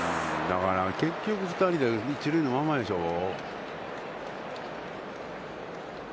だから結局２人で一塁のままでしょう。